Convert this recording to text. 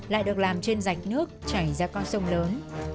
lại được làm trên rạch nước chảy ra con sông lớn